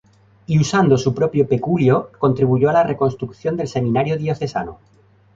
Y usando su propio peculio contribuyó a la reconstrucción del seminario diocesano.